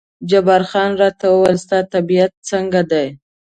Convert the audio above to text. جبار خان راته وویل ستا طبیعت څنګه دی؟